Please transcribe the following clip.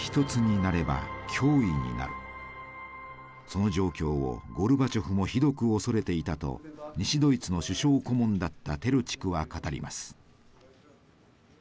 その状況をゴルバチョフもひどく恐れていたと西ドイツの首相顧問だったテルチクは語ります。